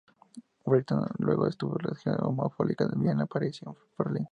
Wright luego estudió cirugía oftalmológica en Viena, París y en Berlín.